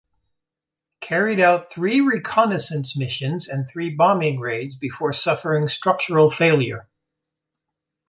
Carried out three reconnaissance missions and three bombing raids before suffering structural failure.